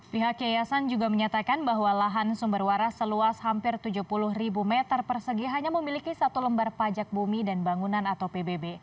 pihak yayasan juga menyatakan bahwa lahan sumber waras seluas hampir tujuh puluh ribu meter persegi hanya memiliki satu lembar pajak bumi dan bangunan atau pbb